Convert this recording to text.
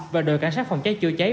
và đội cảnh sát phòng cháy chữa cháy